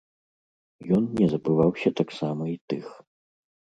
Ён не забываўся таксама і тых.